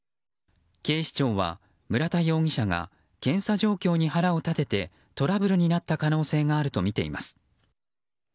警視庁は村田容疑者が検査状況に腹を立ててトラブルになった可能性があるとみています。